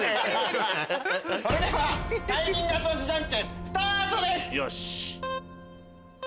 それではタイミング後出しジャンケンスタートです！